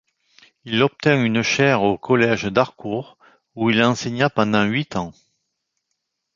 Il obtint une chaire au collège d'Harcourt, où il enseigna pendant huit ans.